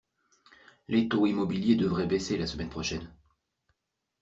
Les taux immobiliers devraient baisser la semaine prochaine.